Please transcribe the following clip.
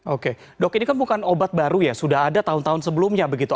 oke dok ini kan bukan obat baru ya sudah ada tahun tahun sebelumnya begitu